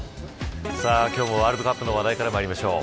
今日もワールドカップの話題からいきましょう。